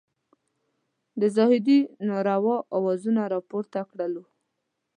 د زاهدي نارو او اوازونو راپورته کړلو.